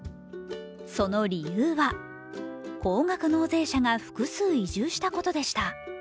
その理由は高額納税者が複数移住したことでした。